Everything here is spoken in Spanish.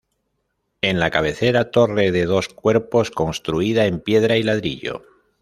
En la cabecera, torre de dos cuerpos, construida en piedra y ladrillo.